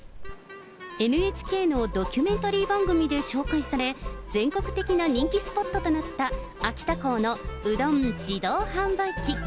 ＮＨＫのドキュメンタリー番組で紹介され、全国的な人気スポットとなった秋田港のうどん自動販売機。